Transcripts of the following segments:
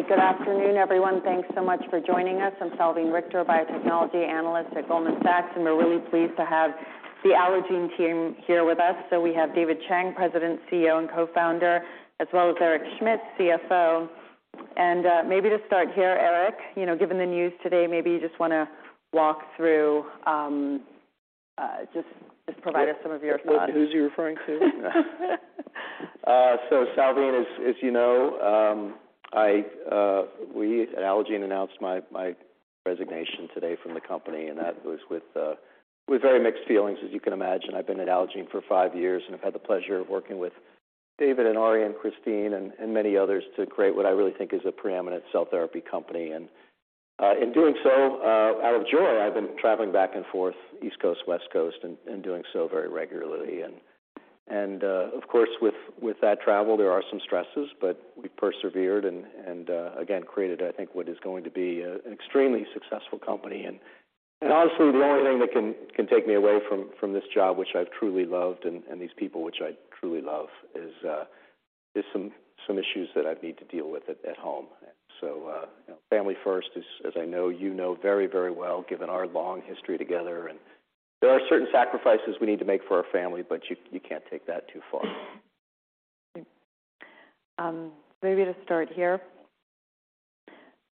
Good afternoon, everyone. Thanks so much for joining us. I'm Salveen Richter, biotechnology analyst at Goldman Sachs, we're really pleased to have the Allogene team here with us. We have David Chang, President, CEO, and Co-founder, as well as Eric Schmidt, CFO. Maybe to start here, Eric, you know, given the news today, maybe you just want to walk through, just provide us some of your thoughts. Who's he referring to? Salveen, as you know, we at Allogene announced my resignation today from the company, that was with very mixed feelings, as you can imagine. I've been at Allogene for five years, I've had the pleasure of working with David and Ari and Christine and many others to create what I really think is a preeminent cell-therapy company. In doing so, out of joy, I've been traveling back and forth, East Coast, West Coast, and doing so very regularly. Of course, with that travel, there are some stresses, but we persevered and again, created, I think, what is going to be an extremely successful company. Honestly, the only thing that can take me away from this job, which I've truly loved, and these people, which I truly love, is some issues that I need to deal with at home. You know, family first, as I know you know very well, given our long history together, and there are certain sacrifices we need to make for our family, but you can't take that too far. Maybe to start here,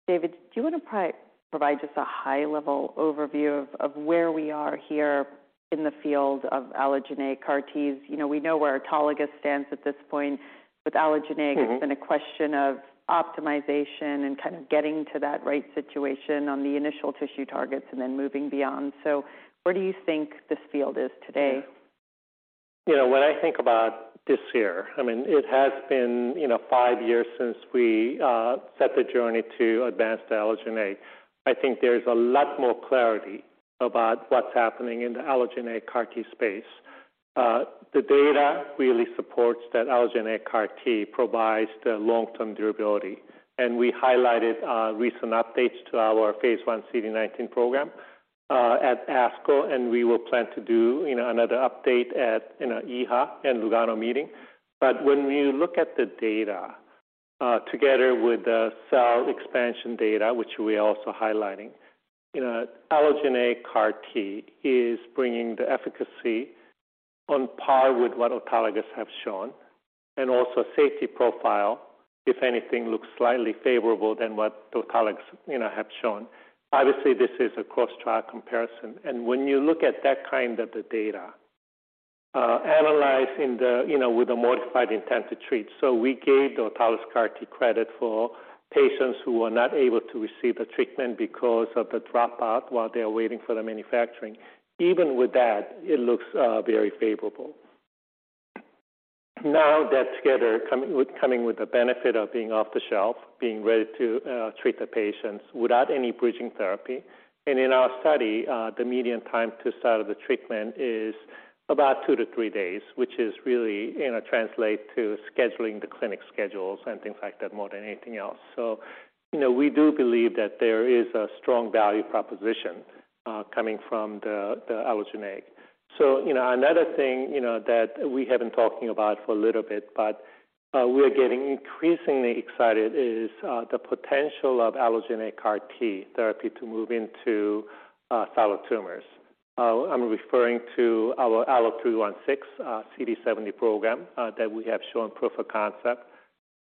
David, do you want to provide just a high-level overview of where we are here in the field of allogeneic CAR-Ts? You know, we know where autologous stands at this point. With allogeneic. Mm-hmm. it's been a question of optimization and kind of getting to that right situation on the initial tissue targets and then moving beyond. Where do you think this field is today? You know, when I think about this here, I mean, it has been, you know, five years since we set the journey to advance the allogeneic. I think there's a lot more clarity about what's happening in allogeneic CAR-T space. The data really supports allogeneic CAR-T provides the long-term durability, and we highlighted recent updates to our phase I CD19 program at ASCO, and we will plan to do, you know, another update at, you know, EHA and Lugano meeting. When you look at the data, together with the cell expansion data, which we are also highlighting, you allogeneic CAR-T is bringing the efficacy on par with what autologous have shown and also safety profile, if anything, looks slightly favorable than what the autologous, you know, have shown. Obviously, this is a cross-trial comparison. When you look at that kind of the data, analyzed in the, you know, with the modified intent-to-treat. We gave the autologous CAR-T credit for patients who were not able to receive the treatment because of the dropout while they are waiting for the manufacturing. Even with that, it looks very favorable. That together, coming with the benefit of being-off-the shelf, being ready to treat the patients without any bridging therapy. In our study, the median time to start the treatment is about two to three days, which is really, you know, translate to scheduling the clinic schedules and things like that more than anything else. You know, we do believe that there is a strong value proposition, coming from the allogeneic. You know, another thing, you know, that we have been talking about for a little bit, but we're getting increasingly excited, is the potential allogeneic CAR-T therapy to move into solid tumors. I'm referring to our ALLO-316 CD70 program that we have shown proof of concept.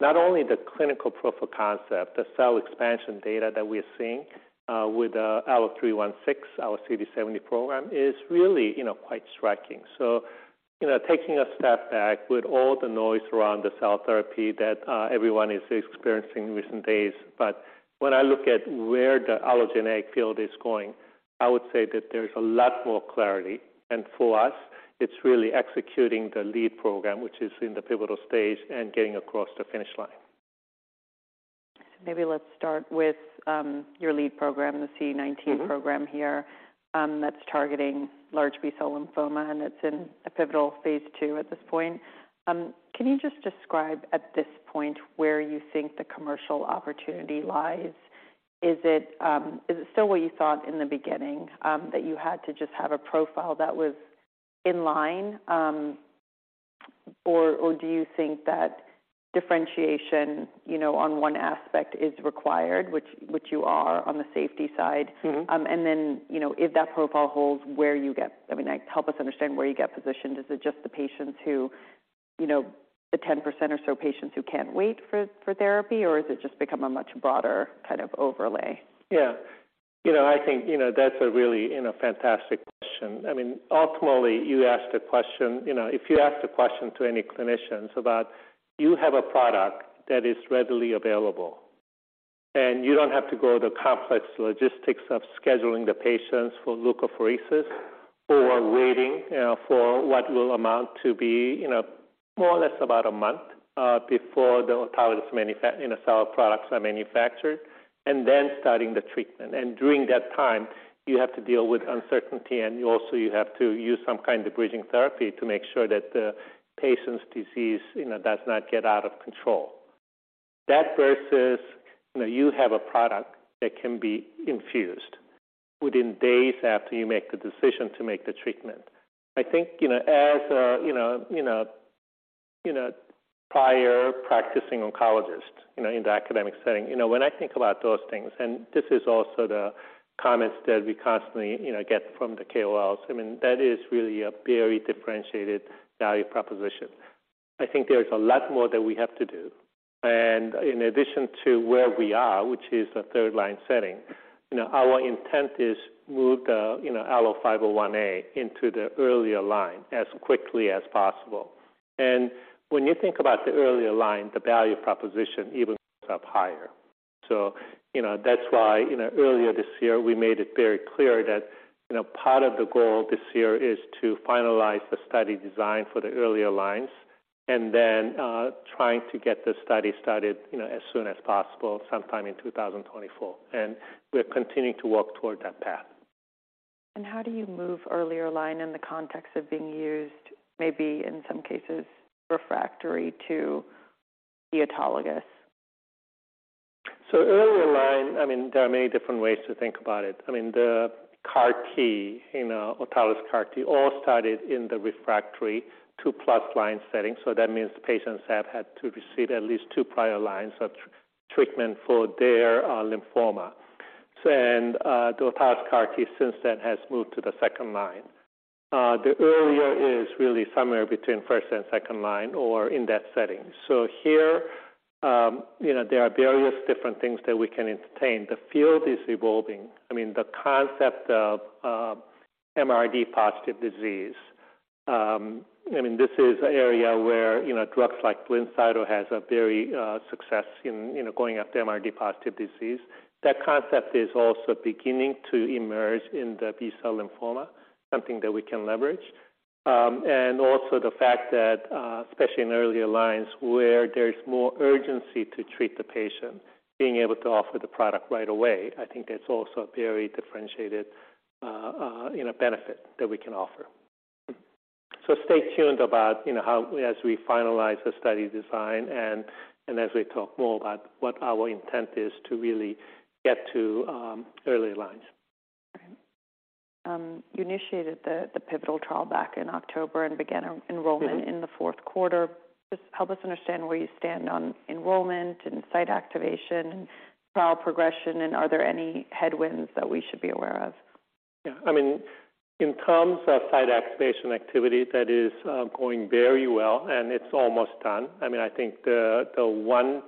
Not only the clinical proof of concept, the cell expansion data that we are seeing, with ALLO-316, our CD70 program, is really, you know, quite striking. You know, taking a step back with all the noise around the cell therapy that everyone is experiencing in recent days, but when I look at where the allogeneic field is going, I would say that there's a lot more clarity. For us, it's really executing the lead program, which is in the pivotal stage and getting across the finish line. Maybe let's start with, your lead program, the CD19- Mm-hmm. -program here. That's targeting large B-cell lymphoma, and it's in a pivotal phase II at this point. Can you just describe at this point where you think the commercial opportunity lies? Is it, is it still what you thought in the beginning, that you had to just have a profile that was in line? Do you think that differentiation, you know, on one aspect is required, which you are on the safety side? Mm-hmm. You know, if that profile holds, I mean, help us understand where you get positioned. Is it just the patients who, you know, the 10% or so patients who can't wait for therapy, or is it just become a much broader kind of overlay? Yeah. You know, I think, you know, that's a really, you know, fantastic question. I mean, ultimately, you asked a question, you know, if you asked a question to any clinicians about you have a product that is readily available, and you don't have to go the complex logistics of scheduling the patients for leukapheresis or waiting, for what will amount to be, you know, more or less about a month, before the autologous, you know, cell products are manufactured and then starting the treatment. During that time, you have to deal with uncertainty, and you also have to use some kind of bridging therapy to make sure that the patient's disease, you know, does not get out of control. That versus, you know, you have a product that can be infused. within days after you make the decision to make the treatment. I think, you know, as a prior practicing oncologist, you know, in the academic setting, you know, when I think about those things, this is also the comments that we constantly, you know, get from the KOLs. I mean, that is really a very differentiated value proposition. I think there is a lot more that we have to do. In addition to where we are, which is a third-line setting, you know, our intent is move the, you know, ALLO-501A into the earlier line as quickly as possible. When you think about the earlier line, the value proposition even goes up higher. You know, that's why, you know, earlier this year, we made it very clear that, you know, part of the goal this year is to finalize the study design for the earlier lines and then, trying to get the study started, you know, as soon as possible, sometime in 2024. We're continuing to work toward that path. How do you move earlier line in the context of being used, maybe in some cases, refractory to the autologous? Earlier line, I mean, there are many different ways to think about it. The CAR T, you know, autologous CAR-T, all started in the refractory 2-plus line setting. That means the patients have had to receive at least two prior lines of treatment for their lymphoma. The autologous CAR-T since then has moved to the second-line. The earlier is really somewhere between first and second-line or in that setting. Here, you know, there are various different things that we can entertain. The field is evolving. The concept of MRD-positive disease, this is an area where, you know, drugs like BLINCYTO has a very success in, you know, going after MRD-positive disease. That concept is also beginning to emerge in the B-cell lymphoma, something that we can leverage. Also the fact that, especially in earlier lines, where there is more urgency to treat the patient, being able to offer the product right away, I think that's also a very differentiated, you know, benefit that we can offer. Stay tuned about, you know, as we finalize the study design and as we talk more about what our intent is to really get to, earlier lines. You initiated the pivotal trial back in October and began enrollment. Mm-hmm. In the fourth quarter. Just help us understand where you stand on enrollment and site activation and trial progression. Are there any headwinds that we should be aware of? Yeah. I mean, in terms of site activation activity, that is going very well, and it's almost done. I mean, I think the one,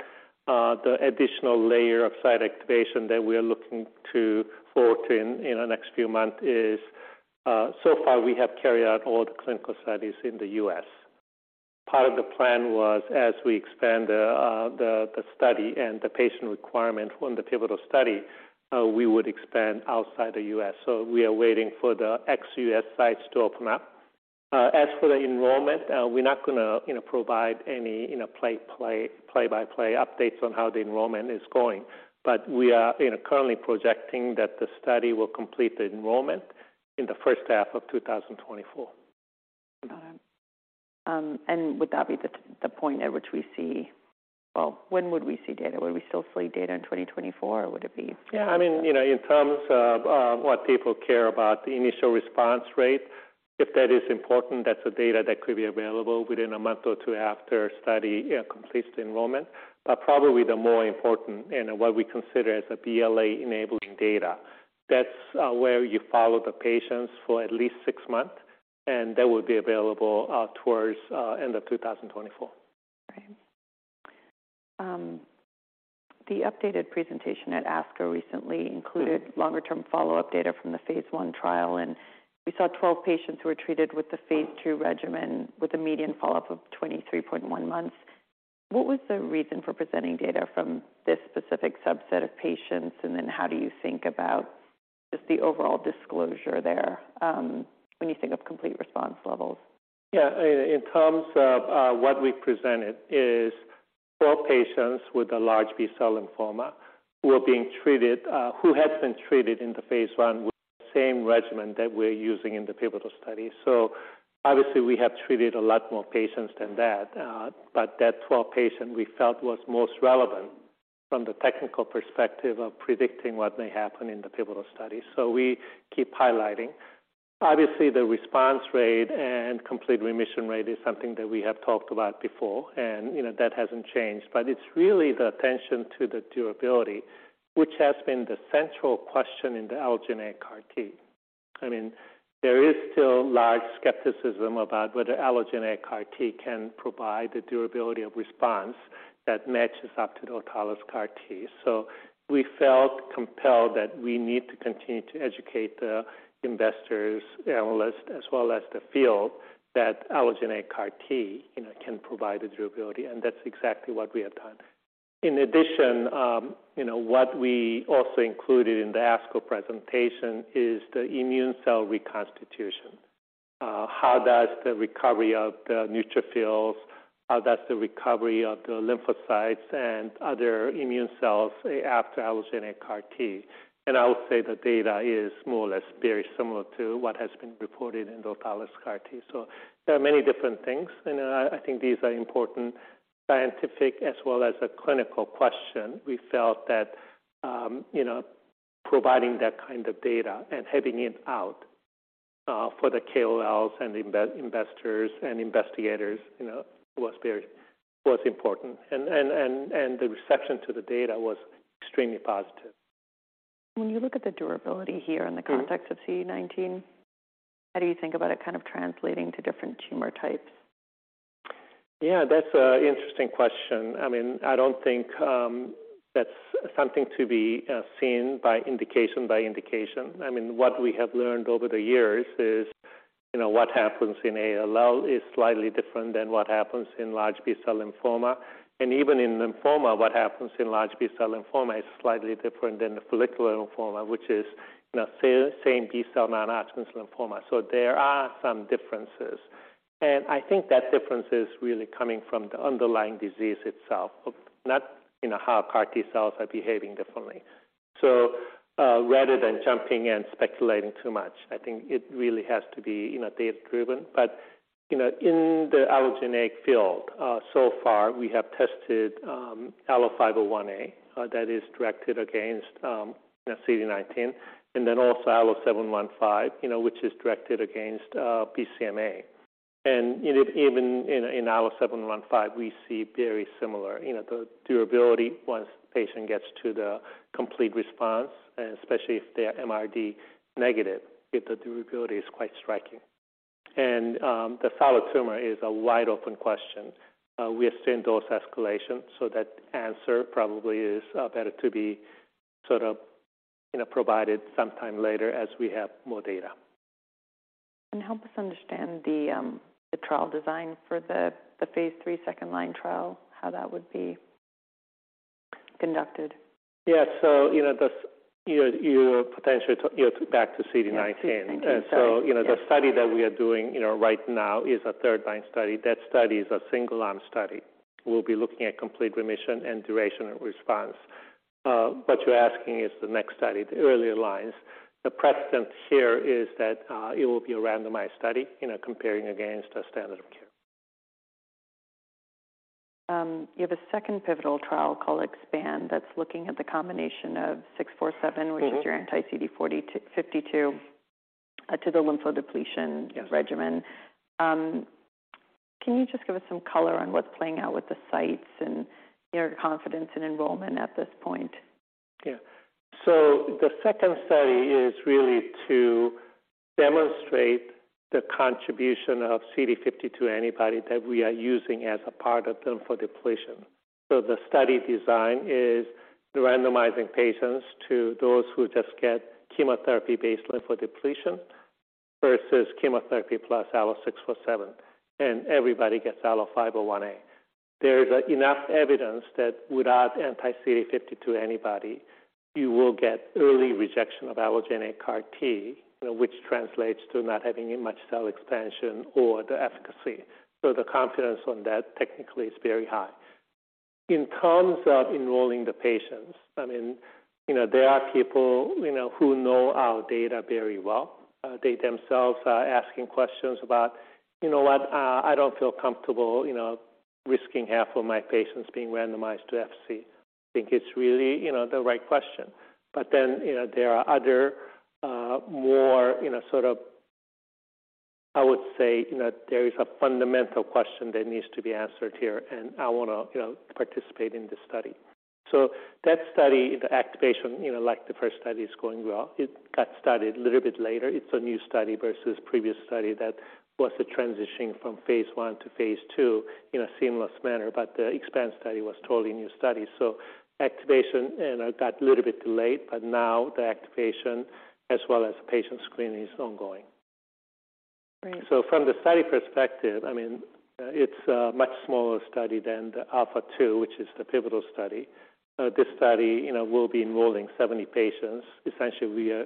the additional layer of site activation that we are looking to forth in the next few months is so far, we have carried out all the clinical studies in the U.S. Part of the plan was as we expand the study and the patient requirement on the pivotal study, we would expand outside the U.S. We are waiting for the ex-U.S. sites to open up. As for the enrollment, we're not going to, you know, provide any, you know, play-by-play updates on how the enrollment is going. We are, you know, currently projecting that the study will complete the enrollment in the first half of 2024. Got it. Would that be the point at which we see? Well, when would we see data? Would we still see data in 2024, or would it be? Yeah, I mean, you know, in terms of what people care about, the initial response rate, if that is important, that's the data that could be available within a month or two after study completes the enrollment. Probably the more important and what we consider as a BLA-enabling data, that's where you follow the patients for at least six months, and that will be available towards end of 2024. Right. The updated presentation at ASCO recently included. Mm-hmm. -longer-term follow-up data from the phase I trial, we saw 12 patients who were treated with the phase II regimen with a median follow-up of 23.1 months. What was the reason for presenting data from this specific subset of patients? How do you think about just the overall disclosure there, when you think of complete response levels? In terms of what we presented is four patients with large B-cell lymphoma who are being treated, who had been treated in the phase I with the same regimen that we're using in the pivotal study. Obviously, we have treated a lot more patients than that, but that 12 patients we felt was most relevant from the technical perspective of predicting what may happen in the pivotal study. We keep highlighting. Obviously, the response rate and complete remission rate is something that we have talked about before, and, you know, that hasn't changed. It's really the attention to the durability, which has been the central question in the allogeneic CAR-T. I mean, there is still large skepticism about whether allogeneic CAR-T can provide the durability of response that matches up to the autologous CAR-T. We felt compelled that we need to continue to educate the investors, analysts, as well as the field, that allogeneic CAR-T, you know, can provide the durability, and that's exactly what we have done. In addition, you know, what we also included in the ASCO presentation is the immune cell reconstitution. How does the recovery of the neutrophils, how does the recovery of the lymphocytes and other immune cells after allogeneic CAR-T? I would say the data is more or less very similar to what has been reported in the autologous CAR-T. There are many different things, and I think these are important scientific as well as a clinical question. We felt that, you know, providing that kind of data and having it out, for the KOLs and the investors and investigators, you know, was important. The reception to the data was extremely positive. When you look at the durability here. Mm-hmm. in the context of CD19, how do you think about it kind of translating to different tumor types? Yeah, that's an interesting question. I mean, I don't think that's something to be seen by indication, by indication. I mean, what we have learned over the years is, you know, what happens in ALL is slightly different than what happens in large B-cell lymphoma. Even in lymphoma, what happens in large B-cell lymphoma is slightly different than the follicular lymphoma, which is, you know, same B-cell non-Hodgkin's lymphoma. There are some differences, and I think that difference is really coming from the underlying disease itself, of not, you know, how CAR T cells are behaving differently. Rather than jumping and speculating too much, I think it really has to be, you know, data-driven. You know, in the allogeneic field, so far, we have tested ALLO-501A, that is directed against CD19, and then also ALLO-715, you know, which is directed against BCMA. You know, even in ALLO-715, we see very similar, you know, the durability once the patient gets to the complete response, and especially if they are MRD-negative, if the durability is quite striking. The solid tumor is a wide-open question. We are still in those escalations, so that answer probably is better to be sort of, you know, provided sometime later as we have more data. Help us understand the trial design for the phase III second-line trial, how that would be conducted. Yeah. you know, you potentially, you know, back to CD19. Yeah. CD19, sorry. You know, the study that we are doing, you know, right now is a third-line study. That study is a single-arm study. We'll be looking at complete remission and duration of response. What you're asking is the next study, the earlier lines. The precedent here is that it will be a randomized study, you know, comparing against a standard of care. You have a second pivotal trial called EXPAND, that's looking at the combination of 647- Mm-hmm. -which is your anti-CD52 to the lymphodepletion- Yes. -regimen. Can you just give us some color on what's playing out with the sites and your confidence in enrollment at this point? Yeah. The second study is really to demonstrate the contribution of CD52 antibody that we are using as a part of lymphodepletion. The study design is randomizing patients to those who just get chemotherapy-based lymphodepletion versus chemotherapy plus ALLO-647, and everybody gets ALLO-501A. There is enough evidence that without anti-CD52 antibody, you will get early rejection of allogeneic CAR-T, which translates to not having much cell expansion or the efficacy. The confidence on that technically is very high. In terms of enrolling the patients, I mean, you know, there are people, you know, who know our data very well. They themselves are asking questions about, "You know what? I don't feel comfortable, you know, risking half of my patients being randomized to FC." I think it's really, you know, the right question. You know, there are other, more, you know, sort of. I would say, you know, there is a fundamental question that needs to be answered here. I want to, you know, participate in this study. That study, the activation, you know, like the first study, is going well. It got started a little bit later. It's a new study versus previous study. That was a transitioning from phase I to phase II in a seamless manner. The EXPAND study was a totally new study. Activation and it got a little bit delayed. Now the activation as well as patient screening is ongoing. Great. From the study perspective, I mean, it's a much smaller study than the ALPHA2, which is the pivotal study. This study, you know, will be enrolling 70 patients. Essentially, we are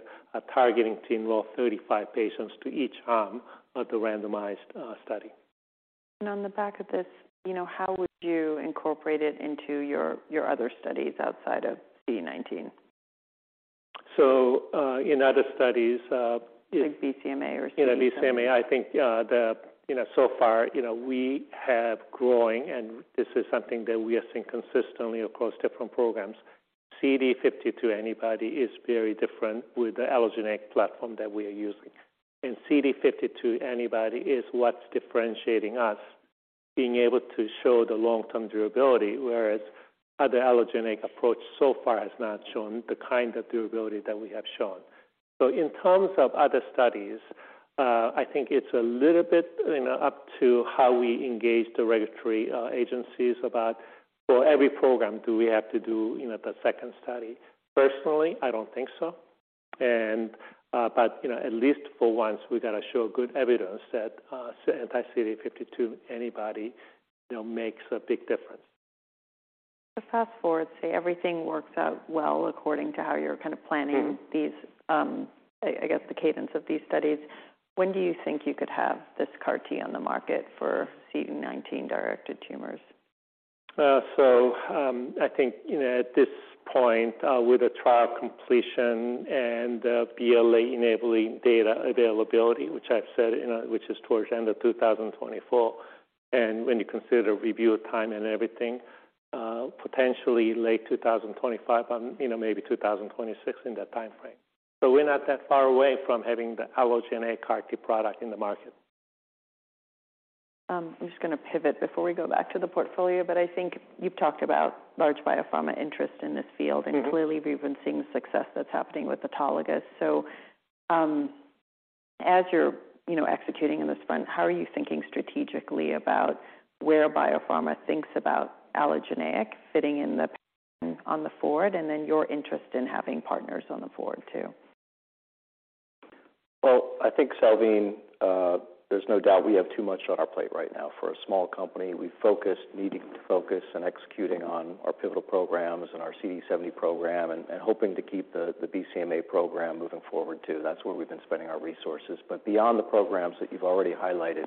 targeting to enroll 35 patients to each arm of the randomized study. On the back of this, you know, how would you incorporate it into your other studies outside of CD19? In other studies. Like BCMA. In BCMA, I think, the, you know, so far, you know, we have growing, and this is something that we have seen consistently across different programs. CD52 antibody is very different with the allogeneic platform that we are using, and CD52 antibody is what's differentiating us, being able to show the long-term durability, whereas other allogeneic approach so far has not shown the kind of durability that we have shown. In terms of other studies, I think it's a little bit, you know, up to how we engage the regulatory agencies about for every program do we have to do, you know, the second study? Personally, I don't think so. But, you know, at least for once, we got to show good evidence that anti-CD52 antibody, you know, makes a big difference. To fast forward, say, everything works out well according to how you're kind of planning. Mm-hmm. these, I guess, the cadence of these studies. When do you think you could have this CAR T on the market for CD19-directed tumors? I think, you know, at this point, with the trial completion and the BLA-enabling data availability, which I've said, you know, which is towards the end of 2024, and when you consider review time and everything, potentially late 2025, you know, maybe 2026 in that time frame. We're not that far away from having the allogeneic CAR-T product in the market. I'm just going to pivot before we go back to the portfolio, but I think you've talked about large biopharma interest in this field. Mm-hmm. Clearly, we've been seeing the success that's happening with autologous. As you're, you know, executing in this front, how are you thinking strategically about where biopharma thinks about allogeneic fitting in the pattern on the forward, and then your interest in having partners on the forward, too? Well, I think, Salveen, there's no doubt we have too much on our plate right now for a small company. We've focused, needing to focus and executing on our pivotal programs and our CD70 program and hoping to keep the BCMA program moving forward, too. That's where we've been spending our resources. Beyond the programs that you've already highlighted,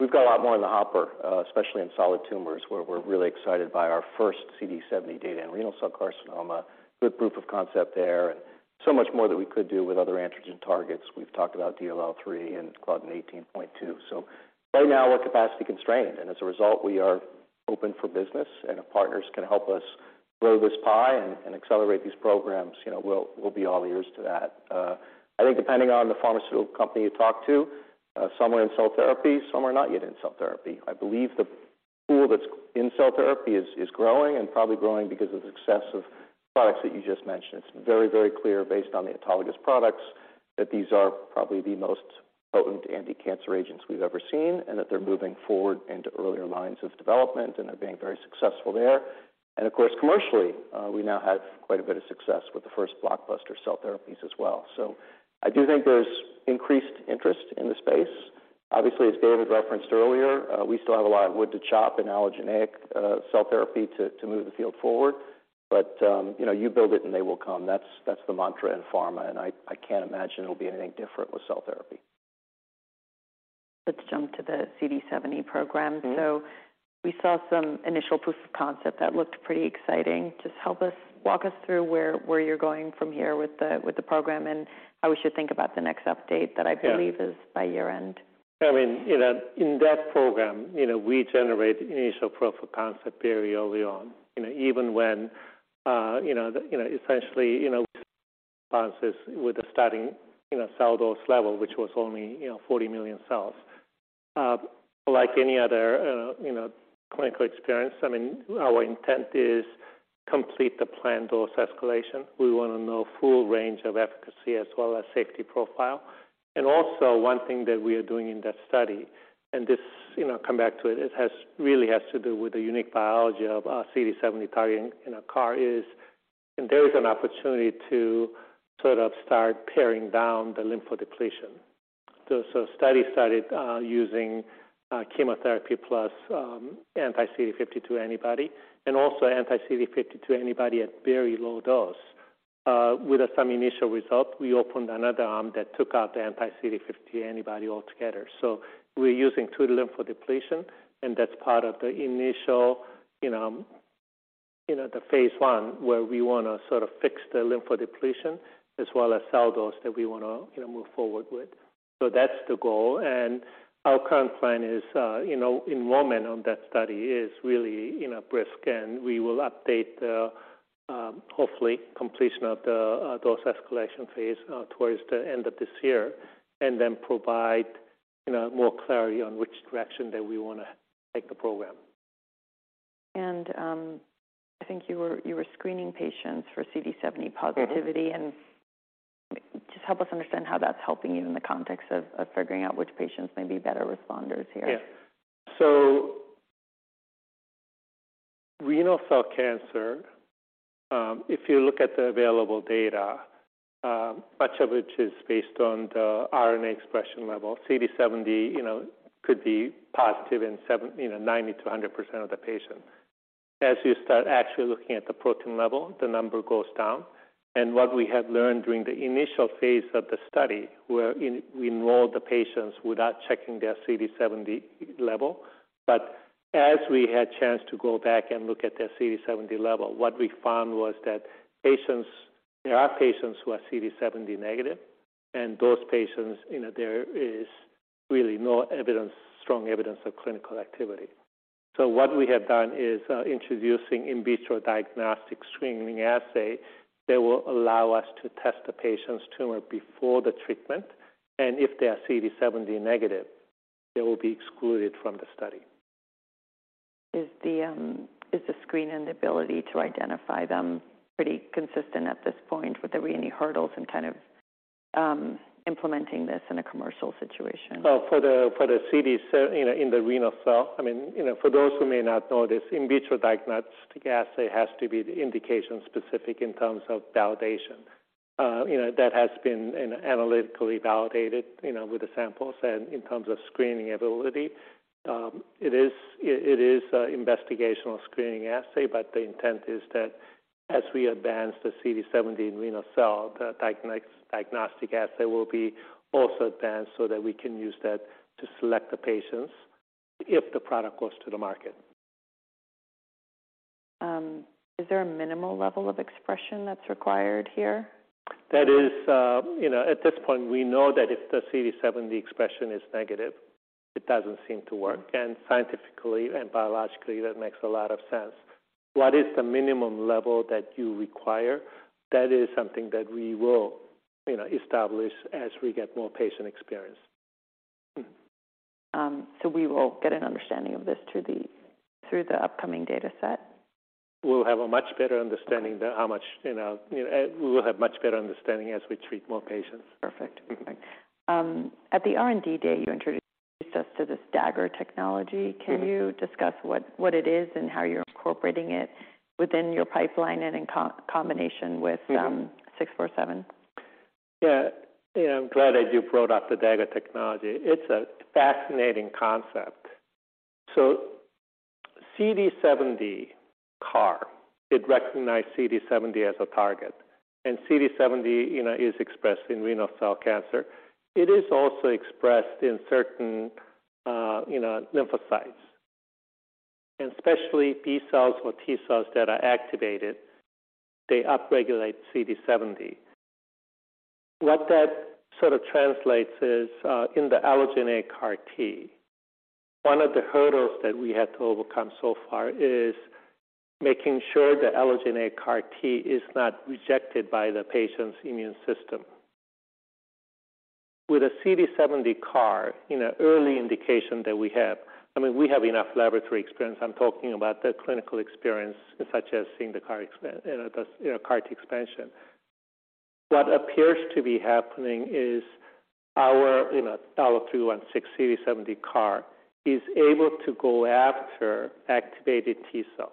we've got a lot more in the hopper, especially in solid tumors, where we're really excited by our first CD70 data in renal cell carcinoma. Good proof of concept there and so much more that we could do with other androgen targets. We've talked about DLL3 and Claudin 18.2. Right now, we're capacity constrained, and as a result, we are open for business, and if partners can help us grow this pie and accelerate these programs, you know, we'll be all ears to that. I think depending on the pharmaceutical company you talk to, some are in cell therapy, some are not yet in cell therapy. I believe the pool that's in cell therapy is growing and probably growing because of the success of products that you just mentioned. It's very, very clear, based on the autologous products, that these are probably the most potent anticancer agents we've ever seen and that they're moving forward into earlier lines of development, and they're being very successful there. Of course, commercially, we now have quite a bit of success with the first blockbuster cell therapies as well. I do think there's increased interest in the space. Obviously, as David referenced earlier, we still have a lot of wood to chop in allogeneic cell therapy to move the field forward. You know, you build it, and they will come. That's the mantra in pharma, and I can't imagine it'll be anything different with cell therapy. Let's jump to the CD70 program. Mm-hmm. We saw some initial proof of concept that looked pretty exciting. Just walk us through where you're going from here with the program, and how we should think about the next update? Yeah. that I believe is by year end. I mean, in that program, you know, we generate initial proof of concept very early on. You know, even when, you know, essentially, you know, responses with the starting, you know, cell dose level, which was only, you know, 40 million cells. Like any other, you know, clinical experience, I mean, our intent is complete the planned dose-escalation. We want to know full range of efficacy as well as safety profile. Also, one thing that we are doing in that study, and this, you know, come back to it has really has to do with the unique biology of our CD70 targeting in a CAR is, and there is an opportunity to sort of start paring down the lymphodepletion. Study started using chemotherapy plus anti-CD52 antibody and also anti-CD52 antibody at very low dose. With some initial results, we opened another arm that took out the anti-CD52 antibody altogether. We're using two lymphodepletion, and that's part of the initial, you know, the phase I, where we want to sort of fix the lymphodepletion as well as cell dose that we want to, you know, move forward with. That's the goal. Our current plan is, you know, enrollment on that study is really brisk, and we will update the hopefully completion of the dose-escalation phase towards the end of this year and then provide, you know, more clarity on which direction that we want to take the program. I think you were screening patients for CD70 positivity. Mm-hmm. Just help us understand how that's helping you in the context of figuring out which patients may be better responders here. Yeah. Renal cell carcinoma, if you look at the available data, much of which is based on the RNA expression level, CD70 could be positive in 70, you know, 90% to 100% of the patients. As you start actually looking at the protein level, the number goes down. What we have learned during the initial phase of the study, where we enrolled the patients without checking their CD70 level, but as we had chance to go back and look at their CD70 level, what we found was that patients, there are patients who are CD70 negative, and those patients, you know, there is really no evidence, strong evidence of clinical activity. What we have done is introducing in vitro diagnostic screening assay that will allow us to test the patient's tumor before the treatment, and if they are CD70 negative, they will be excluded from the study. Is the screen and the ability to identify them pretty consistent at this point? Were there any hurdles in kind of, implementing this in a commercial situation? Well, for the CD, you know, in the renal cell, I mean, you know, for those who may not know this, In vitro diagnostic assay has to be indication-specific in terms of validation. you know, that has been analytically validated, you know, with the samples and in terms of screening ability. it is investigational screening assay, but the intent is that as we advance the CD70 in renal cell, the diagnostic assay will be also advanced so that we can use that to select the patients if the product goes to the market. Is there a minimal level of expression that's required here? That is, you know, at this point, we know that if the CD70 expression is negative, it doesn't seem to work, and scientifically and biologically, that makes a lot of sense. What is the minimum level that you require? That is something that we will, you know, establish as we get more patient experience. We will get an understanding of this through the upcoming data set? We will have much better understanding as we treat more patients. Perfect. Mm-hmm. At the R&D day, you introduced us to this Dagger technology. Mm-hmm. Can you discuss what it is and how you're incorporating it within your pipeline and in combination with... Mm-hmm. ALLO-647? Yeah. I'm glad that you brought up the Dagger technology. It's a fascinating concept. CD70 CAR, it recognizes CD70 as a target, and CD70, you know, is expressed in renal cell cancer. It is also expressed in certain, you know, lymphocytes, and especially B cells or T cells that are activated, they upregulate CD70. What that sort of translates is, in the allogeneic CAR-T, one of the hurdles that we had to overcome so far is making sure the allogeneic CAR-T is not rejected by the patient's immune system. With a CD70 CAR, in an early indication that we have, I mean, we have enough laboratory experience. I'm talking about the clinical experience, such as seeing the CAR, you know, CAR T expansion. What appears to be happening is our, you know, ALLO-316 CD70 CAR is able to go after activated T cells.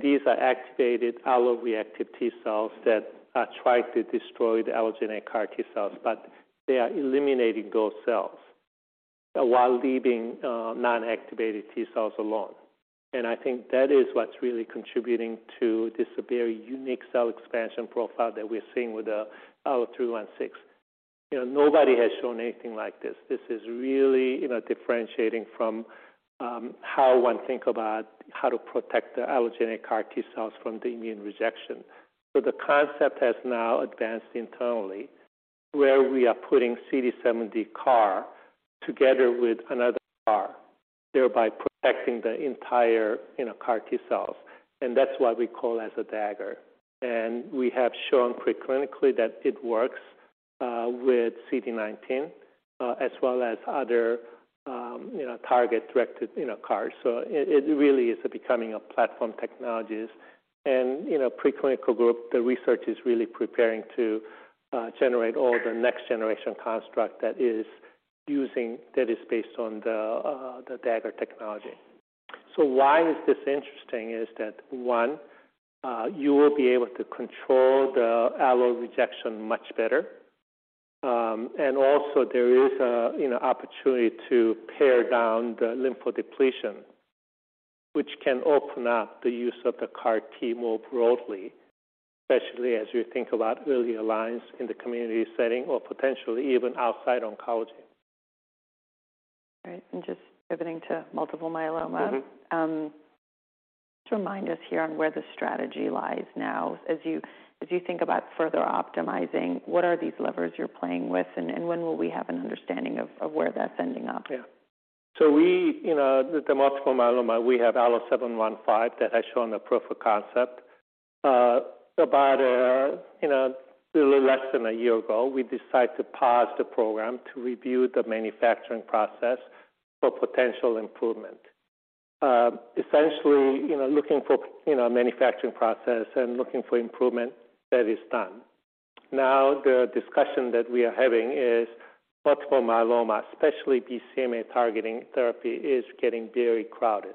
These are activated alloreactive T cells that are trying to destroy the allogeneic CAR-T cells, they are eliminating those cells while leaving non-activated T cells alone. I think that is what's really contributing to this very unique cell expansion profile that we're seeing with the ALLO-316. You know, nobody has shown anything like this. This is really, you know, differentiating from how one thinks about how to protect the allogeneic CAR-T cells from the immune rejection. The concept has now advanced internally, where we are putting CD70 CAR together with another CAR, thereby protecting the entire, you know, CAR T cells. That's what we call as a Dagger. We have shown preclinically that it works with CD19 as well as other, you know, target-directed, you know, CARs. It, it really is becoming a platform technoloy and, you know, preclinical group, the research is really preparing to generate all the next generation construct that is based on the Dagger technology. Why is this interesting is that, 1, you will be able to control the allo rejection much better, and also there is a, you know, opportunity to pare down the lymphodepletion, which can open up the use of the CAR T more broadly, especially as you think about early lines in the community setting or potentially even outside oncology. Right. Just pivoting to multiple myeloma. Mm-hmm. Just remind us here on where the strategy lies now, as you think about further optimizing, what are these levers you're playing with, and when will we have an understanding of where that's ending up? Yeah. So we, you know, the multiple myeloma, we have ALLO-715 that has shown a proof of concept. About, you know, a little less than a year ago, we decided to pause the program to review the manufacturing process for potential improvement. Essentially, you know, looking for, you know, manufacturing process and looking for improvement, that is done. Now, the discussion that we are having is multiple myeloma, especially BCMA targeting therapy, is getting very crowded.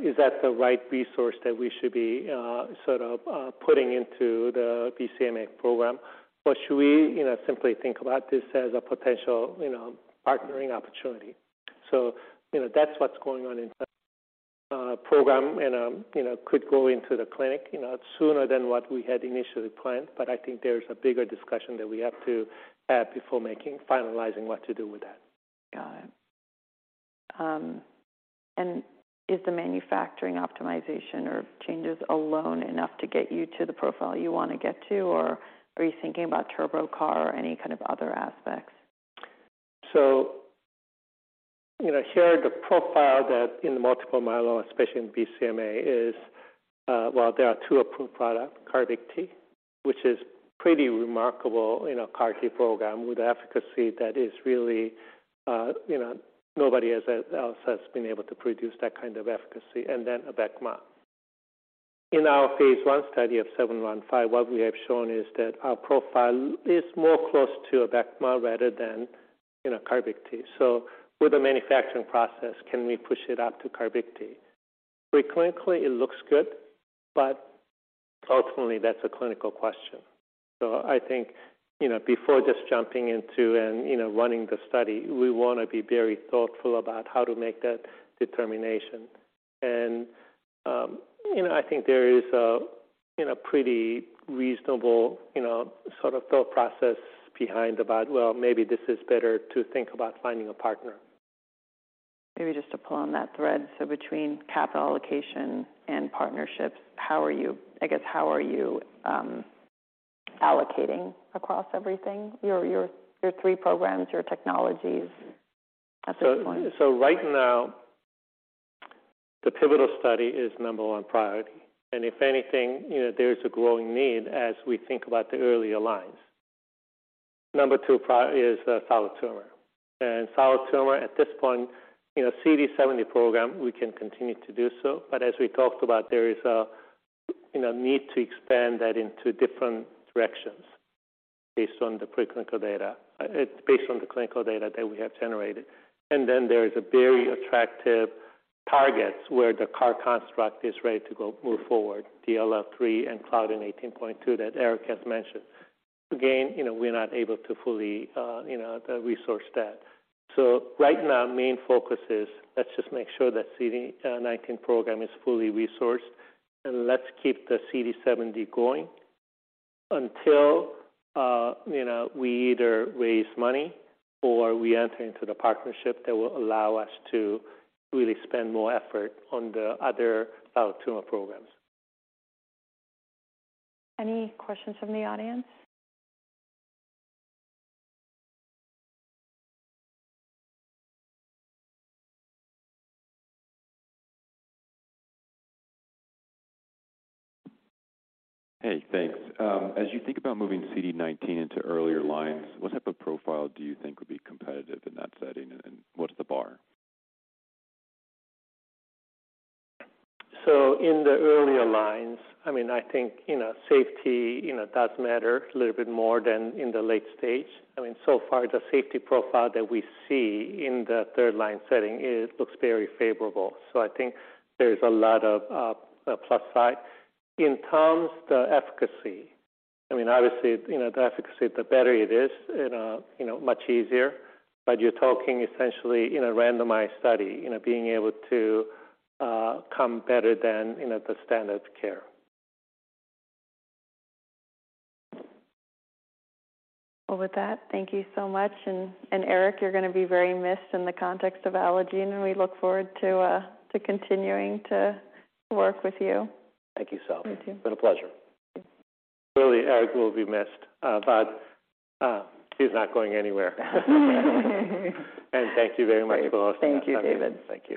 Is that the right resource that we should be, sort of, putting into the BCMA program? Or should we, you know, simply think about this as a potential, you know, partnering opportunity? So, you know, that's what's going on in program and, you know, could go into the clinic, you know, sooner than what we had initially planned. I think there's a bigger discussion that we have to have before making, finalizing what to do with that. Got it. Is the manufacturing optimization or changes alone enough to get you to the profile you want to get to? Or are you thinking about TurboCAR or any kind of other aspects? You know, here, the profile that in the multiple myeloma, especially in BCMA, is, well, there are two approved products, CARVYKTI, which is pretty remarkable in a CAR T program with efficacy that is really, you know, nobody else has been able to produce that kind of efficacy and then Abecma. In our phase I study of 715, what we have shown is that our profile is more close to Abecma rather than, you know, CARVYKTI. With the manufacturing process, can we push it out to CARVYKTI? Preclinically, it looks good, but ultimately, that's a clinical question. I think, you know, before just jumping into and, you know, running the study, we want to be very thoughtful about how to make that determination. You know, I think there is a, you know, pretty reasonable, you know, sort of thought process behind about, well, maybe this is better to think about finding a partner. Maybe just to pull on that thread. Between capital allocation and partnerships, how are you allocating across everything? Your three programs, your technologies at this point. Right now, the pivotal study is number one priority, and if anything, you know, there's a growing need as we think about the earlier lines. Number two is solid tumor. Solid tumor at this point, you know, CD70 program, we can continue to do so, but as we talked about, there is a, you know, need to expand that into different directions based on the preclinical data, based on the clinical data that we have generated. Then there is a very attractive targets where the CAR construct is ready to go, move forward, DLL3 and Claudin 18.2, that Eric has mentioned. Again, you know, we're not able to fully, you know, resource that. Right now, main focus is let's just make sure that CD19 program is fully resourced, and let's keep the CD70 going until, you know, we either raise money or we enter into the partnership that will allow us to really spend more effort on the other solid tumor programs. Any questions from the audience? Hey, thanks. As you think about moving CD19 into earlier lines, what type of profile do you think would be competitive in that setting, and what's the bar? In the earlier lines, I mean, I think, you know, safety, you know, does matter a little bit more than in the late stage. I mean, so far, the safety profile that we see in the third-line setting is, looks very favorable. I think there's a lot of plus side. In terms the efficacy, I mean, obviously, you know, the efficacy, the better it is, you know, much easier, but you're talking essentially in a randomized study, you know, being able to come better than, you know, the standards of care. Well, with that, thank you so much. Eric, you're going to be very missed in the context of Allogene, and we look forward to continuing to work with you. Thank you, Salveen. Thank you. It's been a pleasure. Really, Eric will be missed, but he's not going anywhere. Thank you very much for hosting us. Thank you, David. Thank you.